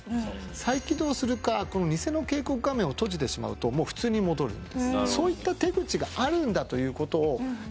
再起動するか偽の警告画面を閉じてしまうと普通に戻るんです。